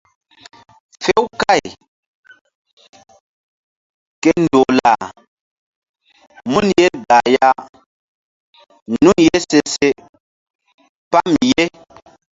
Few káy ke ndoh lah mun ye gah ya nun ye se se pam ye.